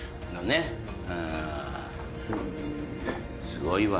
すごいわ。